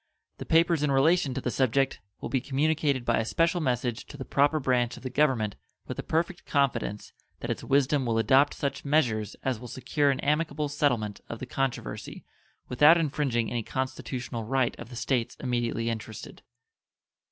The papers in relation to the subject will be communicated by a special message to the proper branch of the Government with the perfect confidence that its wisdom will adopt such measures as will secure an amicable settlement of the controversy without infringing any constitutional right of the States immediately interested.